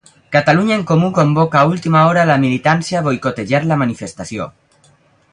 Catalunya en Comú convoca a última hora la militància a boicotejar la manifestació.